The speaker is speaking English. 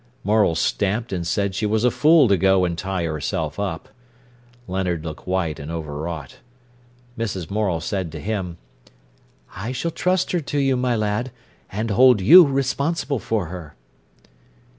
Morel stamped and said she was a fool to go and tie herself up. Leonard looked white and overwrought. Mrs. Morel said to him: "I s'll trust her to you, my lad, and hold you responsible for her."